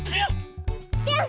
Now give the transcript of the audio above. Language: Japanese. ぴょん！